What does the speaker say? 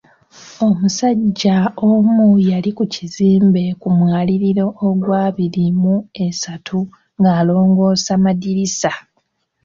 Omusajja omu yali ku kizimbe ku mwaliiro ogwa abiri mu esatu ng’alongoosa madirisa.